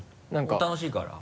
楽しいから？